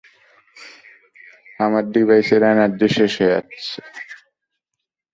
আমার ডিভাইসের এনার্জি শেষ হয়ে আসছে।